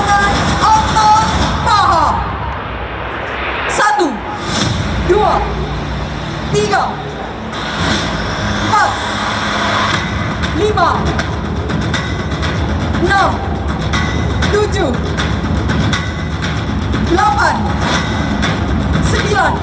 menggunakan atas paha